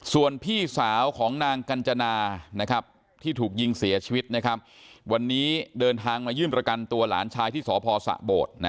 ส่วนพี่สาวของนางกัญจนาที่ถูกยิงเสียชีวิตวันนี้เดินทางมายื่นประกันตัวหลานชายที่สพสะโบด